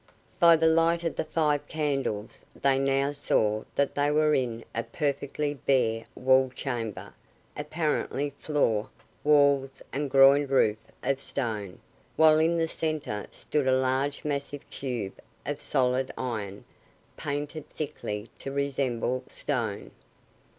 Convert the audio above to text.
By the light of the five candles they now saw that they were in a perfectly bare walled chamber, apparently floor, walls, and groined roof of stone, while in the centre stood a large massive cube of solid iron, painted thickly to resemble stone.